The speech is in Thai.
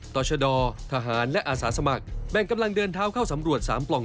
ต่อชะดอทหารและอาสาสมัครแบ่งกำลังเดินเท้าเข้าสำรวจ๓ปล่อง